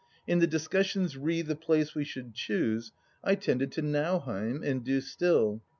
In the discussions re the place we should choose, I tended to Nauheim, and do still.